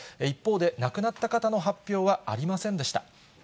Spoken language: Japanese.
一方で亡くなった方の発表はありませんでした。